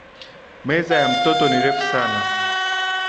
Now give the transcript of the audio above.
Meza ya mtoto ni refu sana